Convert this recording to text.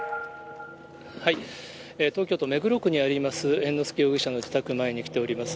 東京都目黒区にあります、猿之助容疑者の自宅前に来ております。